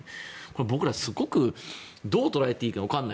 僕ら、すごくどう捉えていいか分からない。